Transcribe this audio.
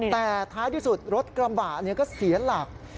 แต่ท้ายที่สุดรถกระบะก็เสียหลัก